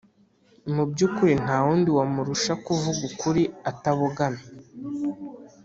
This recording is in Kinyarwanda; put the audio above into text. mu byukuri, nta wundi wamurusha kuvuga ukuri atabogamye.